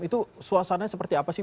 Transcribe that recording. itu suasananya seperti apa sih